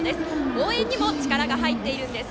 応援にも力が入っているんです。